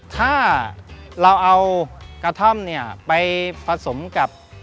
ถ้าเราเอากะท่อมไปผสมกับ